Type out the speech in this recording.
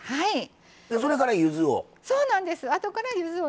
それから、ゆずを。